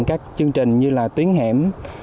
các chương trình như là tuyến hẻm